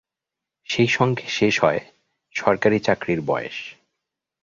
সেই সঙ্গে শেষ হয় সরকারি চাকরির বয়স।